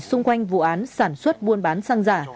xung quanh vụ án sản xuất buôn bán xăng giả